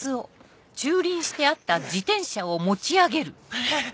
えっ！